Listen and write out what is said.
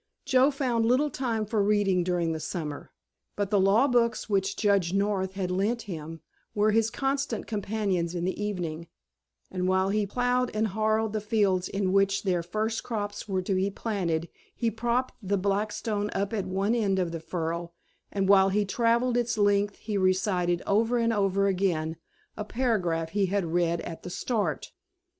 Joe found little time for reading during the summer, but the law books which Judge North had lent him were his constant companions in the evening, and while he plowed and harrowed the fields in which their first crops were to be planted he propped the Blackstone up at one end of the furrow, and while he traveled its length he recited over and over again a paragraph he had read at the start.